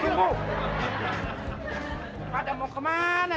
bapak mau ke mana